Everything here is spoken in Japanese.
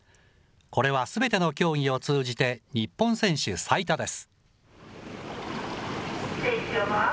これはすべての競技を通じて、日本選手最多です。